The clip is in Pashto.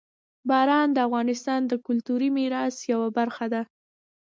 باران د افغانستان د کلتوري میراث یوه برخه ده.